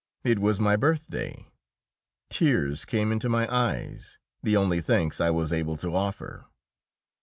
It was my birthday. Tears came into my eyes the only thanks I was able to offer.